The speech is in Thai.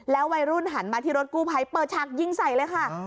วัยรุ่นหันมาที่รถกู้ภัยเปิดฉากยิงใส่เลยค่ะ